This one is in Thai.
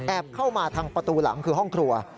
เข้ามาทางประตูหลังคือห้องครัว